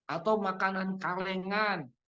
atau makanan kalengan